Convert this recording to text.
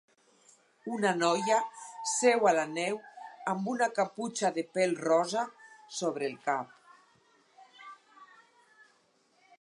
Una noia seu a la neu amb una caputxa de pèl rosa sobre el cap.